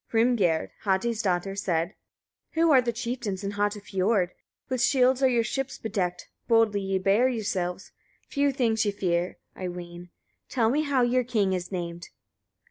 Hrimgerd, Hati's daughter, said: 12. Who are the chieftains in Hatafiord? With shields are your ships bedecked; boldly ye bear yourselves, few things ye fear, I ween: tell me how your king is named.